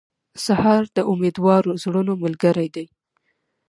سهار د امیدوارو زړونو ملګری دی.